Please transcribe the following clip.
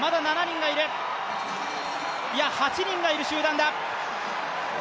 いや、８人がいる集団だ。